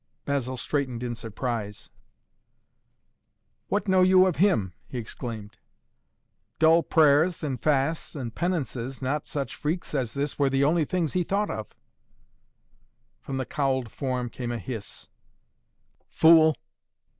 Basil straightened in surprise. "What know you of him?" he exclaimed. "Dull prayers and fasts and penances, not such freaks as this, were the only things he thought of." From the cowled form came a hiss. "Fool!